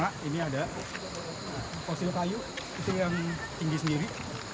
nah ini ada fosil kayu itu yang tinggi sendiri